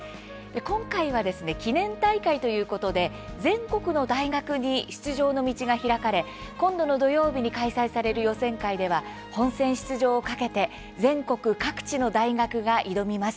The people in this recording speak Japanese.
今回は記念大会ということで全国の大学に出場の道が開かれ今度の土曜日に開催される予選会では本選出場を懸けて全国各地の大学が挑みます。